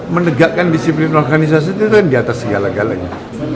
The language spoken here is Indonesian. menegakkan disiplin organisasi itu kan di atas segala galanya